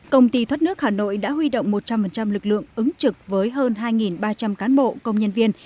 công ty thoát nước hà nội đã huy động một trăm linh lực lượng ứng trực với hơn hai ba trăm linh cán bộ công nhân viên